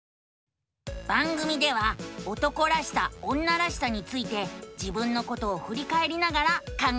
番組では「男らしさ女らしさ」について自分のことをふりかえりながら考えているのさ。